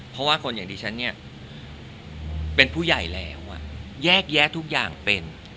เพราะว่าคนอย่างดิฉันเนี่ยเป็นผู้ใหญ่แล้วแยกแยะทุกอย่างเป็น